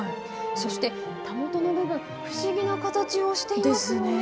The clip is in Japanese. そしてたもとの部分、不思議な形をしていますよね。